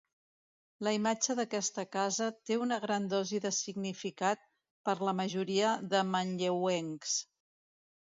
La imatge d'aquesta casa té una gran dosi de significat per la majoria de manlleuencs.